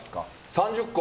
３０個。